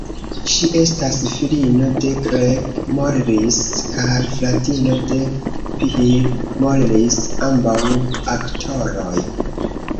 Ŝi estas filino de Greg Morris kaj fratino de Phil Morris, ambaŭ aktoroj.